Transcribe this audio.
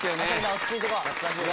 落ち着いていこう。